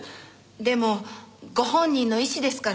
でもご本人の意思ですから。